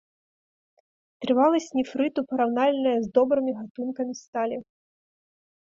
Трываласць нефрыту параўнальная з добрымі гатункамі сталі.